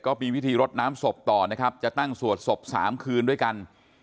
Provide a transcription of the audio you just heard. ก็มีวิธีรดน้ำศพต่อนะครับจะตั้งสวดศพ๓คืนด้วยกัน